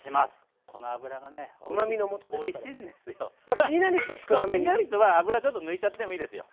気になる人は脂ちょっと抜いちゃってもいいですよ。